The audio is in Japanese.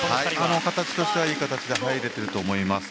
形としてはいい形で入れていると思います。